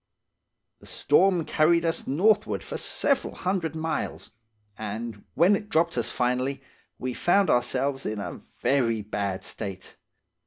"The storm carried us northward for several hundred miles, and when it dropped us finally, we found ourselves in a very bad state.